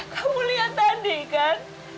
kamu lihat tadi kan